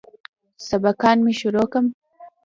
سبقان مې شروع کم.